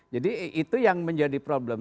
jadi itu yang menjadi problem